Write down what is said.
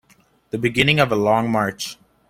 The beginning of a long march.